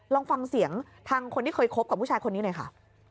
ลองฟังเสียงทางคนที่เคยคบกับผู้ชายคนนี้หน่อยค่ะ